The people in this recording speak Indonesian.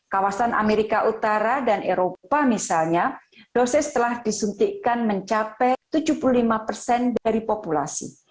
kawasan amerika utara dan eropa misalnya dosis telah disuntikkan mencapai tujuh puluh lima persen dari populasi